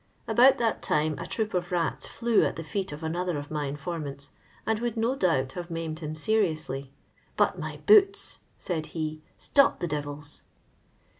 About that time a troop of rats flew at the feet of another of my informants, and would no doubt have maimed him seriously, " but my boots," laid he^ "stopped the devils."